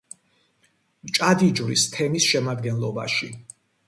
მჭადიჯვრის თემის შემადგენლობაში.